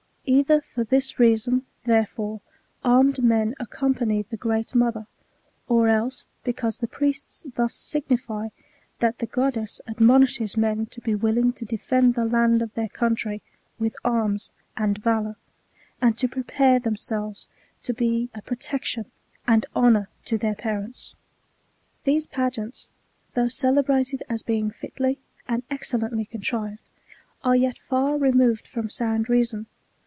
Either for this reason, therefore^ armed men accompany the great mother ; or else because the priests thus signify that the goddess ad monishes men to be willing to defend the land of their country with arms and valour, and to prepare themselves to be a pro tection and honour to their parents. TYi<^e'pageants^ though celebrated as being fitly and excel lently contrived, are yet far removed from sound reason.